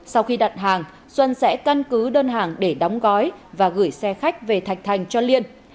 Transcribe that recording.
sau khi đặt hàng xuân sẽ căn cứ đơn hàng để đóng gói và gửi xe khách về thạch thành cho liên